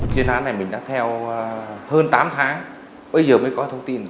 chuyên án này mình đã theo hơn tám tháng bây giờ mới có thông tin